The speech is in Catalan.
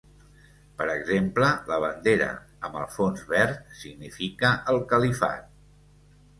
Per exemple, la bandera amb el fons verd significa el califat.